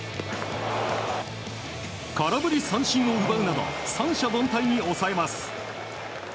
空振り三振を奪うなど三者凡退に抑えます。